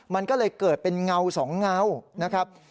มันก็เลยเกิดเป็นเงาสองเงานะครับ